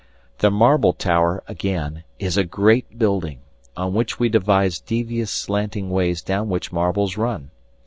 The marble tower, again, is a great building, on which we devise devious slanting ways down which marbles run.